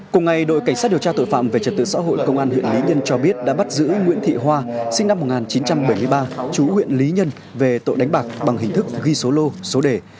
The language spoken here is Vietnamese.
cùng ngày đội cảnh sát điều tra tội phạm về trật tự xã hội công an huyện lý nhân cho biết đã bắt giữ nguyễn thị hoa sinh năm một nghìn chín trăm bảy mươi ba chú huyện lý nhân về tội đánh bạc bằng hình thức ghi số lô số đề